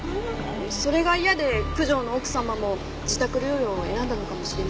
それが嫌で九条の奥様も自宅療養を選んだのかもしれません。